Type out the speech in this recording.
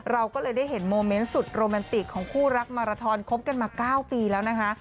เราก็เลยได้เห็นโมเมนต์สุดโรแมนติกของคู่รักมาราทอนคบกันมา๙ปีแล้วนะคะ